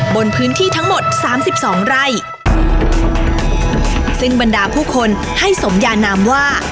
บนพื้นที่ทั้งหมดสามสิบสองไร่ซึ่งบรรดาผู้คนให้สมยานามว่า